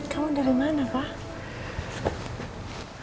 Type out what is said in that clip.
kamu dari mana pak